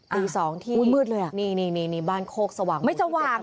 ตีสองที่มืดเลยอ่ะนี่นี่บ้านโคกสว่างไม่สว่าง